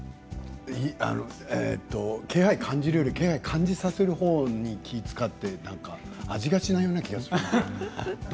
気配を感じるより気配を感じさせるほうに気を遣って味がしないような気がするな。